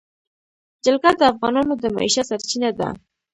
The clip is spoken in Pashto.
جلګه د افغانانو د معیشت سرچینه ده.